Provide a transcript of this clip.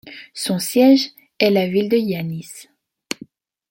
Son siège est la ville de Hyannis.